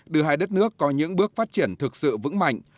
đưa hai đất nước có những bước phát triển thực sự vững mạnh